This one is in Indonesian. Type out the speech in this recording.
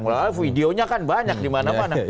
malah malah videonya kan banyak di mana mana